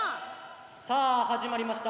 さぁ始まりました。